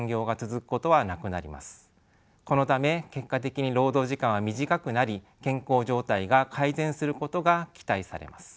このため結果的に労働時間は短くなり健康状態が改善することが期待されます。